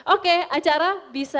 oke acara bisa